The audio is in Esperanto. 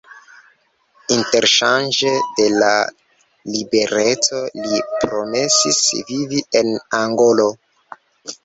Interŝanĝe de la libereco, li promesis vivi en Angolo.